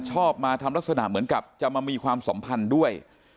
ชอบมาทำลักษณะเหมือนกับจะมามีความสัมพันธ์ด้วย